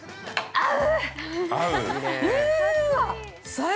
◆合う！